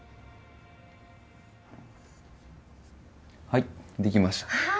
はいできました。